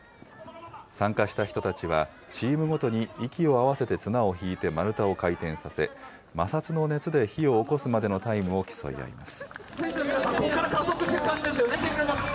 参加した人たちは、チームごとに息を合わせて綱を引いて丸太を回転させ、摩擦の熱で火をおこすまでのタイムを競い合います。